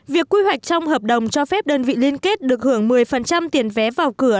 việc quy hoạch trong hợp đồng cho phép đơn vị liên kết được hưởng một mươi tiền vé vào cửa